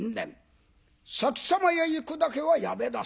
先様へ行くだけはやめなされ。